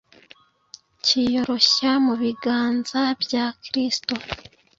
cyiyoroshya mu biganza bya Kristo,